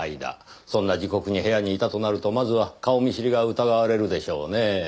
そんな時刻に部屋にいたとなるとまずは顔見知りが疑われるでしょうねぇ。